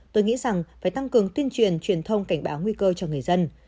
tôi nghĩ rằng phải tăng cường tuyên truyền truyền thông cảnh báo nguy cơ cho người dân